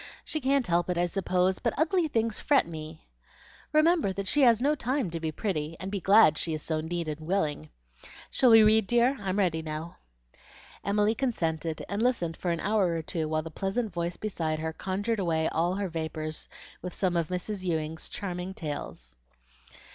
She can't help it, I suppose, but ugly things fret me." "Remember that she has no time to be pretty, and be glad she is so neat and willing. Shall we read, dear? I'm ready now." Emily consented, and listened for an hour or two while the pleasant voice beside her conjured away all her vapors with some of Mrs. Ewing's charming tales.